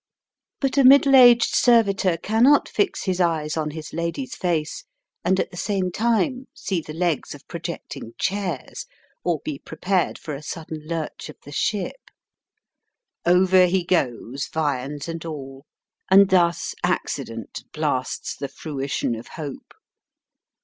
But a middle aged servitor cannot fix his eyes on Digitized by VjOOQIC 8 EAST BY WEST. his iady's face and at the same time see the legs of projecting chairs, or be prepared for a sudden lurch of the ship. Over he goes, viands and all, and thus accident blasts the fruition of hope.